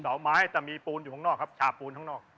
อกไม้แต่มีปูนอยู่ข้างนอกครับชาปูนข้างนอก